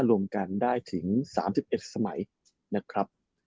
รวมกันได้ถึง๓๑สมัยนะครับ